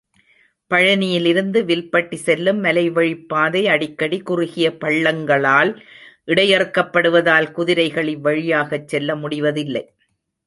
பழனியிலிருந்து வில்பட்டி செல்லும் மலைவழிப் பாதை அடிக்கடி குறுகிய பள்ளங்களால் இடையறுக்கப்படுவதால், குதிரைகள் இவ்வழியாகச் செல்ல முடிவதில்லை.